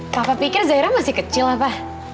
papa pikir zaira masih kecil lah pa